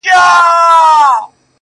و ماته به د دې وطن د کاڼو ضرورت سي~